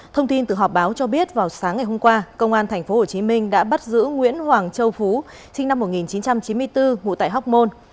thông tin từ họp báo cho biết vào sáng ngày hôm qua công an tp hcm đã bắt giữ nguyễn hoàng châu phú sinh năm một nghìn chín trăm chín mươi bốn ngụ tại hóc môn